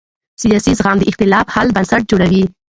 سیاسي زغم د اختلاف حل بنسټ جوړوي